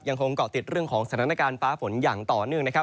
เกาะติดเรื่องของสถานการณ์ฟ้าฝนอย่างต่อเนื่องนะครับ